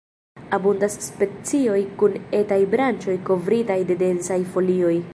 Abundas specioj kun etaj branĉoj kovritaj de densaj folioj.